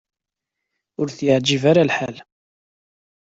Ur t-yeɛjib ara lḥal.